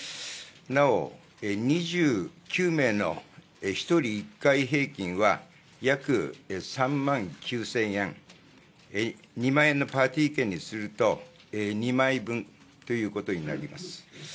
なお、２９名の１人１回平均は約３万９０００円、２万円のパーティー券にすると２枚分ということになります。